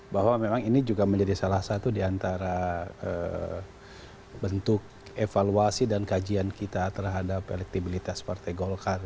bahwa memang ini juga menjadi salah satu di antara bentuk evaluasi dan kajian kita terhadap elektibilitas partai golkar